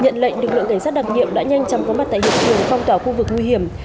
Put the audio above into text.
nhận lệnh lực lượng cảnh sát đặc nghiệm đã nhanh chóng có mặt tại hiện trường phong tỏa khu vực nguy hiểm